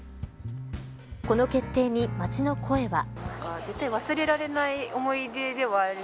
この決定に街の声は。